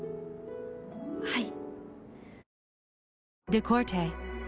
はい。